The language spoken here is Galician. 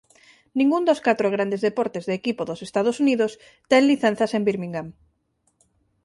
Ningún dos catro grandes deportes de equipo dos Estados Unidos ten licenzas en Birmingham.